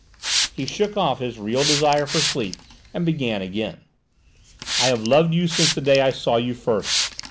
He shook off his real desire for sleep and began again. "I have loved you since the day I saw you first.